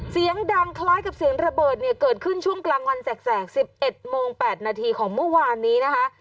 เสียงดังคล้ายกับเสียงระเบิดเนี่ยเกิดขึ้นช่วงกลางวันแสก๑๑โมง๘นาทีของเมื่อวานนี้นะคะ